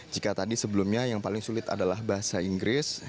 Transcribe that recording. jika tadi sebelumnya yang paling sulit adalah bahasa inggris